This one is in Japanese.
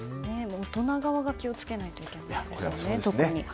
大人側が気を付けないといけないですね。